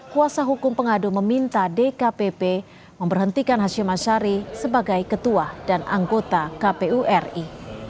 kuasa hukum pengadu meminta dkpp memberhentikan hashim ashari sebagai ketua dan anggota kpu ri